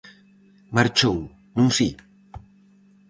Marchou, non si?